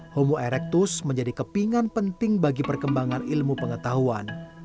homo erectus menjadi kepingan penting bagi perkembangan ilmu pengetahuan